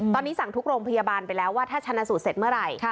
ตอนนี้สั่งทุกโรงพยาบาลไปแล้วว่าถ้าชนะสูตรเสร็จเมื่อไหร่